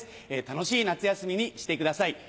楽しい夏休みにしてください。